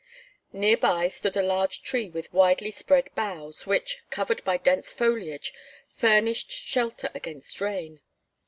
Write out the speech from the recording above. Near by stood a large tree with widely spread boughs which, covered by dense foliage, furnished shelter against rain.